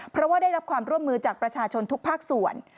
เพราะว่าได้รับความร่วมมือจากประชาชนทุกภาคส่วน